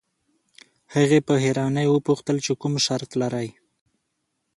هغې په حيرانۍ وپوښتل چې کوم شرط لرئ.